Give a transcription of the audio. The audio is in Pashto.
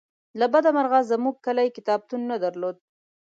له بده مرغه زمونږ کلي کتابتون نه درلوده